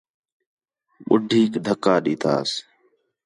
ٻُڈھیک دِھکا ݙِتّاس